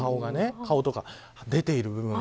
顔とか出ている部分が。